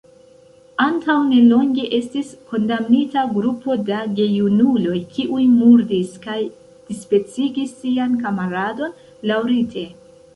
Antaŭ nelonge estis kondamnita grupo da gejunuloj, kiuj murdis kaj dispecigis sian kamaradon laŭrite.